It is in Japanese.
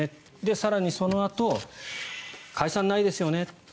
更にそのあと解散、ないですよね？と。